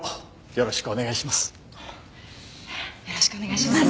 よろしくお願いします。